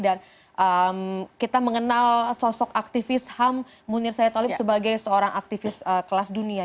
dan kita mengenal sosok aktivis ham munir sayatolip sebagai seorang aktivis kelas dunia